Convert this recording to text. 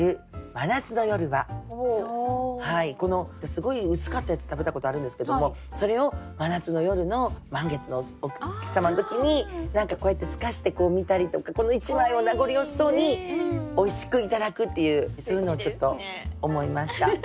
すごい薄かったやつ食べたことあるんですけどもそれを真夏の夜の満月のお月様の時に何かこうやってすかして見たりとかこの一枚を名残惜しそうにおいしく頂くっていうそういうのちょっと思いました。